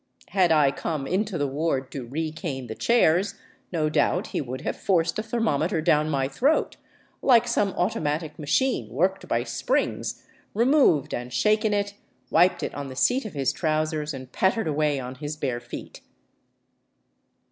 Had I come into the ward to recane the chairs, no doubt he would have forced a thermometer down my throat, like some automatic machine worked by springs, removed and shaken it, wiped it on the seat of his trousers, and pattered away on his bare feet.